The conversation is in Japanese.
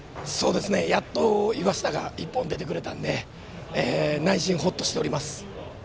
やっと岩下が一本出てくれたので内心、ほっとしております。